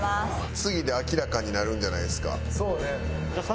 次で明らかになるんじゃないですか。